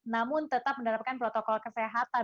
namun tetap menerapkan protokol kesehatan